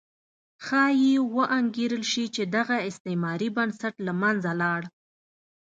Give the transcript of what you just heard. ښایي وانګېرل شي چې دغه استعماري بنسټ له منځه لاړ.